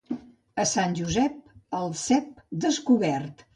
A Sant Josep, el cep descobert.